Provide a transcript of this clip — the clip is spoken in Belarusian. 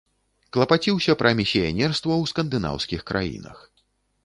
Клапаціўся пра місіянерства ў скандынаўскіх краінах.